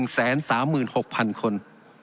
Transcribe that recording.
๑แสน๓หมื่น๖พันคน